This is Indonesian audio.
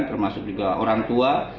termasuk juga orang tua